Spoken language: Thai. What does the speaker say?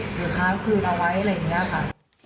ค้างคืนเอาไว้อะไรอย่างนี้ค่ะ